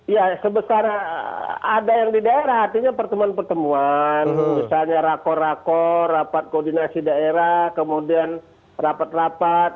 ya sebesar ada yang di daerah artinya pertemuan pertemuan misalnya rakor rakor rapat koordinasi daerah kemudian rapat rapat